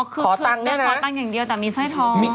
อ๋อคือได้คอตังอย่างเดียวแต่มีสร้อยทอง